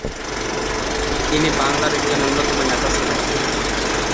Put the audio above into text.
তিনি বাংলার একজন অন্যতম নেতা ছিলেন।